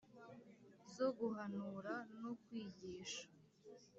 Zo guhanura no kwigisha